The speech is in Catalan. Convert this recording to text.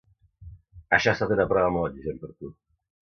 Això ha estat una prova molt exigent per a tu.